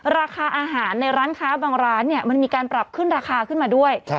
ราคาอาหารในร้านค้าบางร้านมันมีการปรับขึ้นราคาขึ้นมาด้วย